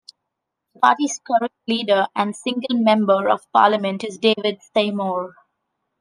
The party's current leader and single member of parliament is David Seymour.